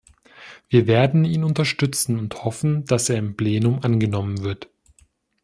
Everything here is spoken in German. Wir werden ihn unterstützen und hoffen, dass er im Plenum angenommen wird.